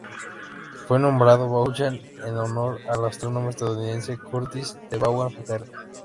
Fue nombrado Vaughan en honor al astrónomo estadounidense Curtis T. Vaughan, Jr.